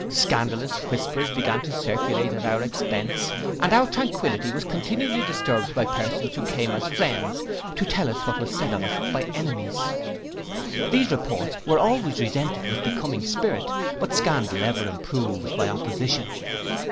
Scandalous whispers began to circulate at our expence, and our tranquility was continually disturbed by persons who came as friends to tell us what was said of us by enemies. These reports we always resented with becoming spirit; but scandal ever improves by opposition.